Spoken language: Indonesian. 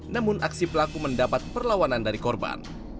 namun aksi pelaku mendapat perlawanan dari korban